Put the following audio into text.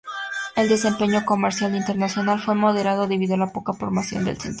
El desempeño comercial internacional fue moderado debido a la poca promoción del sencillo.